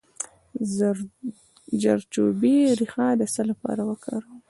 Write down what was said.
د زردچوبې ریښه د څه لپاره وکاروم؟